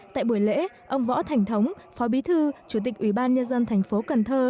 tại buổi lễ ông võ thành thống phó bí thư chủ tịch ủy ban nhân dân thành phố cần thơ